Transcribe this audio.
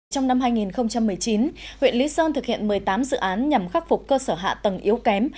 trong năm hai nghìn một mươi chín huyện lý sơn thực hiện một mươi tám dự án nhằm khắc phục cơ sở hạ tầng yếu kém